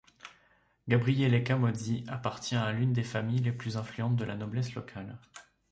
Gabriele Camozzi appartient à l'une des familles les plus influentes de la noblesse locale.